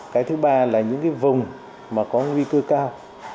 cái thứ ba là những cái vùng mà có nguy cơ cao